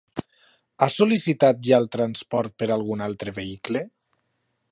Ha sol·licitat ja el transport per algun altre vehicle?